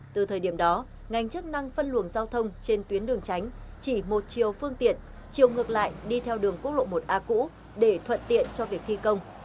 từ thời điểm đó ngành chức năng phân luồng giao thông trên tuyến đường tránh chỉ một chiều phương tiện chiều ngược lại đi theo đường quốc lộ một a cũ để thuận tiện cho việc thi công